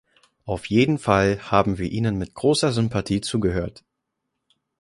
Auf jeden Fall haben wir Ihnen mit großer Sympathie zugehört.